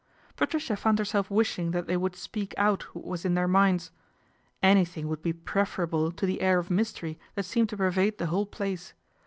Patricia found herself wishing that they would speak out what was in their minds. Anything would be preferable to the air of mystery that seemed to pervade the whole place.